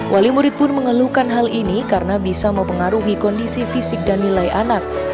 wali murid pun mengeluhkan hal ini karena bisa mempengaruhi kondisi fisik dan nilai anak